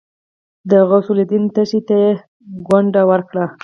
د غوث الدين تشي ته يې ګونډه ورکړه.